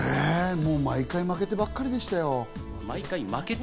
毎回負けてばっかりでしたよ。